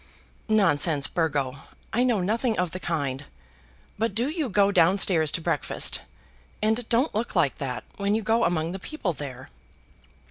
"Nonsense, Burgo; I know nothing of the kind. But do you go down stairs to breakfast, and don't look like that when you go among the people there."